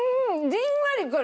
じんわりくる！